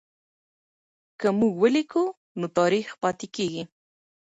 که موږ ولیکو نو تاریخ پاتې کېږي.